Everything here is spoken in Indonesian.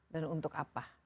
dan untuk apa